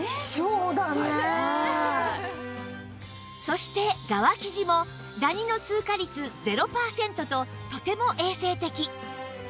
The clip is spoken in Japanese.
そして側生地もダニの通過率０パーセントととても衛生的